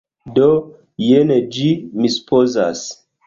Do, jen ĝi. Mi supozas.